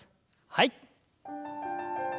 はい。